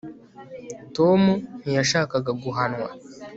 tom ntiyashakaga guhanwa